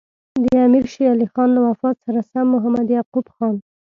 د امیر شېر علي خان له وفات سره سم محمد یعقوب خان.